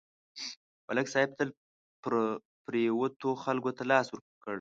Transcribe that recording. ملک صاحب تل پرېوتو خلکو ته لاس ورکړی